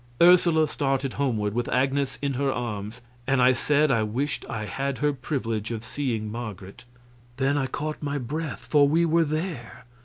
Ursula started homeward, with Agnes in her arms, and I said I wished I had her privilege of seeing Marget. Then I caught my breath, for we were there.